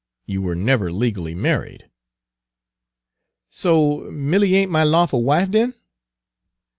You were never legally married." "So Milly ain't my lawful wife, den?"